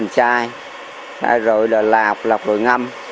nhà khoa học vn